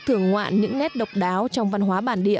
thưởng ngoạn những nét độc đáo trong văn hóa bản địa